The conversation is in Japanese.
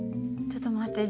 ちょっと待って。